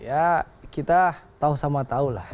ya kita tahu sama tahu lah